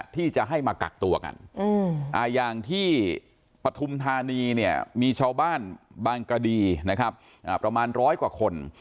ที่จะให้มากักตัวกันอย่างที่ปฐุมธานีเนี่ยมีชาวบ้านบางกระดีนะครับประมาณร้อยกว่าคน